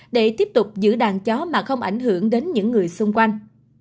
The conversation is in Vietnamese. để tiếp tục giữ đàn chó mà không ảnh hưởng đến những người xung quanh